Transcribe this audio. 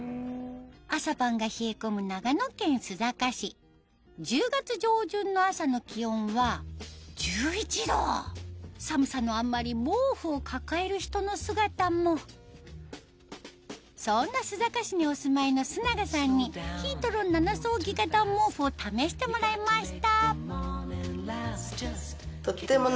朝晩が冷え込む１０月上旬の朝の気温は１１度寒さのあまり毛布を抱える人の姿もそんな須坂市にお住まいの須永さんにヒートロン７層ギガ暖毛布を試してもらいました